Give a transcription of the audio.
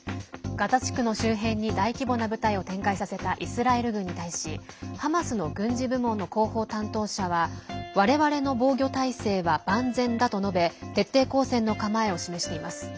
ガザ地区の周辺に大規模な部隊を展開させたイスラエル軍に対しハマスの軍事部門の広報担当者は我々の防御態勢は万全だと述べ徹底抗戦の構えを示しています。